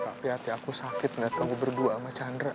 tapi hati aku sakit liat kamu berdua sama chandra